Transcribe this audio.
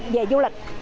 về du lịch